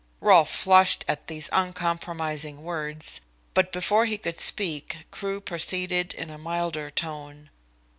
Rolfe flushed at these uncompromising words, but before he could speak Crewe proceeded in a milder tone.